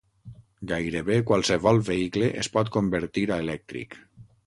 Gairebé qualsevol vehicle es pot convertir a elèctric.